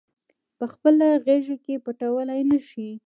پخپله غیږ کې پټولای نه شي